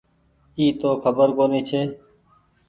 اي تو کبر ڪونيٚ ڇي ۔